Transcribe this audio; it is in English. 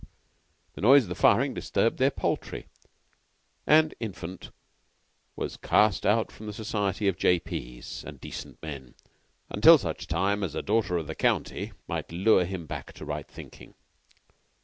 The noise of the firing disturbed their poultry, and Infant was cast out from the society of J.P.'s and decent men till such time as a daughter of the county might lure him back to right thinking.